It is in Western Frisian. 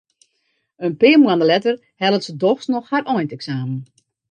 In pear moanne letter hellet se dochs noch har eineksamen.